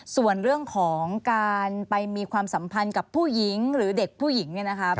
ส่วนเรื่องของการไปมีความสัมพันธ์กับผู้หญิงหรือเด็กผู้หญิงเนี่ยนะครับ